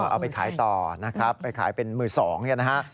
เอาไปขายต่อนะครับไปขายเป็นมือสองเนี่ยนะฮะ